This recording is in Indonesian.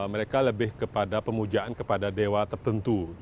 mereka lebih kepada pemujaan kepada dewa tertentu